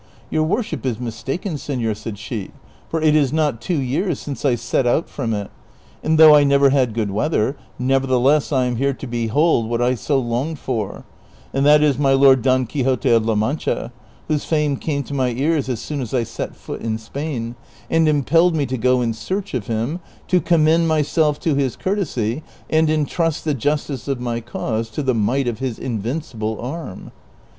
" Your worsliip is mistaken, seflor," said she ;" for it is not two years since I set out from it, and though I never had good weather, nevertheless I am here to behold what I so longed for, and that is my Lord Don Quixote of La Mancha, whose fame came to my ears as soon as I set foot in Spain, and impelled me to go in search of him, to commend myself to his courtesy, and intrust the justice of my cause to the might of his invin cible arm."